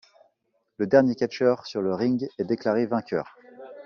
Le dernier catcheur sur le ring est déclaré vainqueur.